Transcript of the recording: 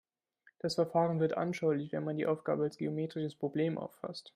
Das Verfahren wird anschaulich, wenn man die Aufgabe als geometrisches Problem auffasst.